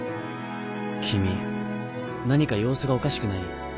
君何か様子がおかしくない？